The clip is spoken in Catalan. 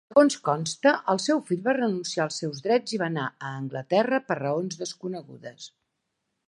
Segons consta, el seu fill va renunciar als seus drets i va anar a Anglaterra, per raons desconegudes.